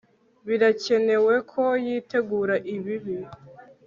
Birakenewe ko yitegura ibibi